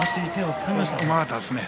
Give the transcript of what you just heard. うまかったですね。